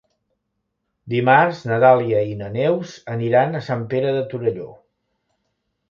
Dimarts na Dàlia i na Neus aniran a Sant Pere de Torelló.